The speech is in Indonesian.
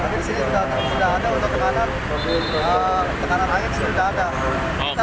tapi di sini sudah ada untuk tekanan air sudah ada